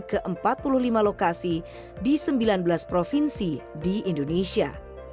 ke empat puluh lima lokasi di sembilan belas provinsi di indonesia